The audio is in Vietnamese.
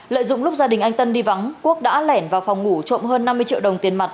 lợi dụng lúc gia đình anh tân đi vắng quốc đã lẻn vào phòng ngủ trộm hơn năm mươi triệu đồng tiền mặt